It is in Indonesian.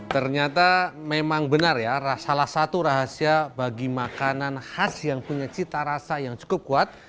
ternyata memang benar ya salah satu rahasia bagi makanan khas yang punya cita rasa yang cukup kuat